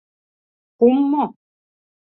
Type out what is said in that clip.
Пум мо?